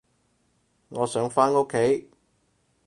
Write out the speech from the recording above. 我想返屋企